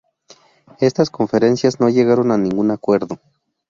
Estas conferencias no llegaron a ningún acuerdo.